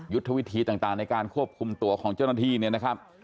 ยุทธวิธีต่างในการควบคุมตัวของเจ้าหน้าที่เนี่ยนะครับ